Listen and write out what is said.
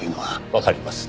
わかります。